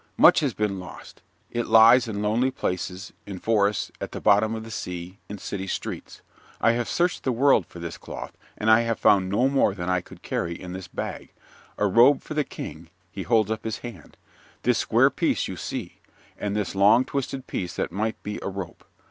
Much has been lost. It lies in lonely places, in forests, at the bottom of the sea, in city streets. I have searched the world for this cloth, and I have found no more than I could carry in this bag, a robe for the King (he holds his hand up), this square piece you see, and this long twisted piece that might be a rope.